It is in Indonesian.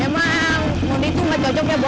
emang mondi tuh gak cocok ya buat mbak